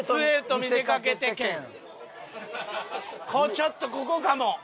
ちょっとここかも！